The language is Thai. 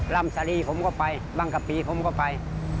รำสารีผมก็ไปบังกะปีผมก็ไป